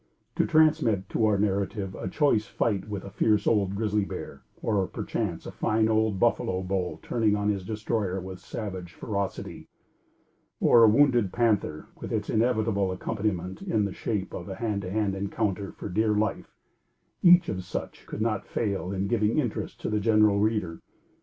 To transmit to our narrative a choice fight with the fierce old grizzly bear; or, perchance, a fine old buffalo bull turning on his destroyer with savage ferocity; or, a wounded panther, with its inevitable accompaniment in the shape of a hand to hand encounter for dear life, each of such could not fail in giving interest to the general reader.